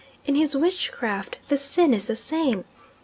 In his witchcraft, the sin is the same.